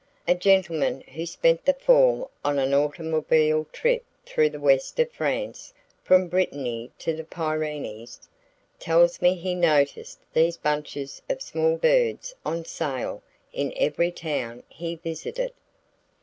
A gentleman who spent the fall on an automobile trip through the west of FRANCE from Brittany to the Pyrenees, tells me he noticed these bunches of small birds on sale in every town he visited.